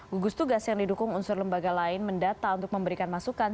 gugus tugas yang didukung unsur lembaga lain mendata untuk memberikan masukan